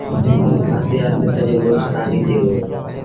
آهستي آهستي سڄو ڳوٺ کآليٚ ٿئي وُهڙو۔